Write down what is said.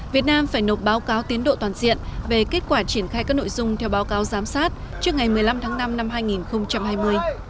việt nam phải nộp báo cáo tiến độ toàn diện về kết quả triển khai các nội dung theo báo cáo giám sát trước ngày một mươi năm tháng năm năm hai nghìn hai mươi